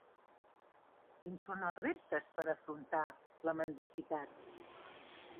Quins són els reptes per afrontar la mendicitat?